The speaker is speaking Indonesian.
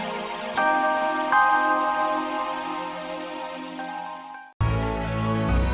jestem atau ini bisa